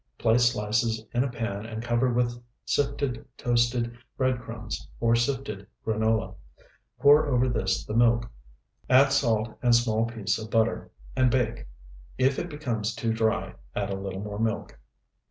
Place slices in a pan and cover with sifted toasted bread crumbs or sifted granola. Pour over this the milk; add salt and small piece of butter, and bake. If it becomes too dry, add a little more milk.